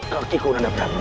kau kira nanda prabu